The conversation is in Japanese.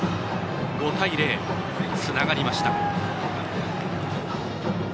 ５対０、つながりました。